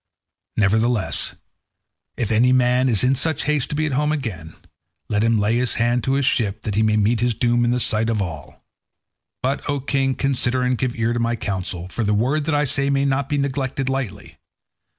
Nevertheless, if any man is in such haste to be at home again, let him lay his hand to his ship that he may meet his doom in the sight of all. But, O king, consider and give ear to my counsel, for the word that I say may not be neglected lightly.